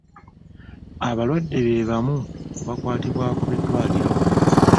Abalwadde be bamu ku bakwatibwako b'eddwaliro.